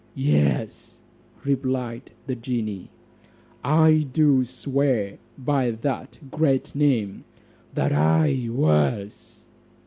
"Yes," replied the genie, "I do swear by that great name, that I was."